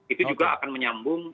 itu juga akan menyambung